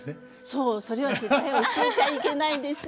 そうそれは絶対教えちゃいけないんです。